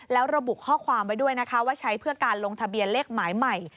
แล้วระบุข้อความไว้ด้วยนะคะว่าใช้เพื่อการลงทะเบียนเลขหมายใหม่